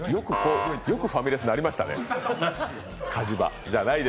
よくファミレスになりましたね。